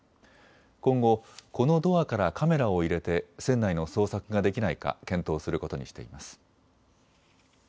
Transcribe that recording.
今後、このドアからカメラを入れて船内の捜索ができないか検討することにしています。